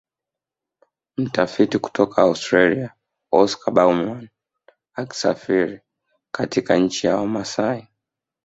Mtafiti kutoka Austria Oscar Baumann akisafiri katika nchi ya Wamasai